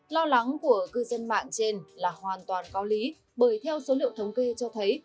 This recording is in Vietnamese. lo lắng của cư dân mạng trên là hoàn toàn có lý bởi theo số liệu thống kê cho thấy